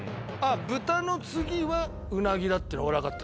豚の次はうなぎだっていうの俺分かってるわけ。